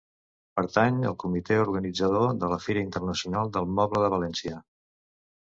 Pertany al comitè organitzador de la Fira Internacional del Moble de València.